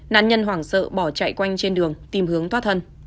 nạn nhân hoảng sợ bỏ chạy quanh trên đường tìm hướng thoát thân